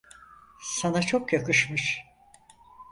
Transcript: Sana çok yakışmış.